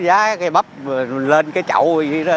giá cây bắp lên cái chậu gì đó